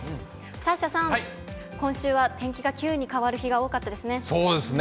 サッシャさん、今週は天気が急に変わる日が多かったですね。